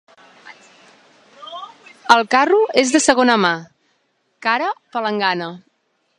El carro és de segona mà, cara palangana.